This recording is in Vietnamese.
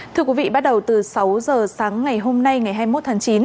thưa quý vị bắt đầu từ sáu giờ sáng ngày hôm nay ngày hai mươi một tháng chín